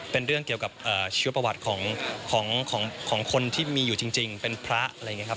เป็นเรื่องเกี่ยวกับชีวประวัติของคนที่มีอยู่จริงเป็นพระอะไรอย่างนี้ครับ